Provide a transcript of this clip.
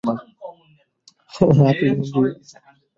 হ্যাঁ, প্রিয়।